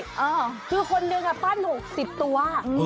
เออคือคนหนึ่งปั้น๖๐ตัว